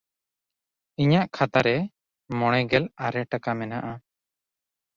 ᱤᱧᱟᱜ ᱠᱷᱟᱛᱟ ᱨᱮ ᱢᱚᱬᱮᱜᱮᱞ ᱟᱨᱮ ᱴᱟᱠᱟ ᱢᱮᱱᱟᱜᱼᱟ᱾